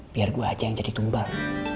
biar gue aja yang jadi tumbang